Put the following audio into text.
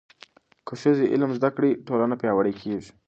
که ښځې علم زده کړي، ټولنه پیاوړې کېږي.